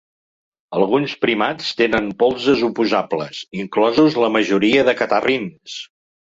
Alguns primats tenen polzes oposables, inclosos la majoria de catarrins.